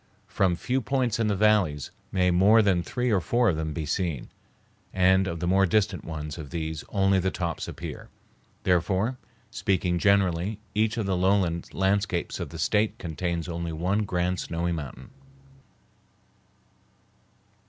From few points in the valleys may more than three or four of them be seen, and of the more distant ones of these only the tops appear. Therefore, speaking generally, each of the lowland landscapes of the State contains only one grand snowy mountain.